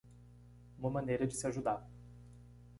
uma maneira de se ajudar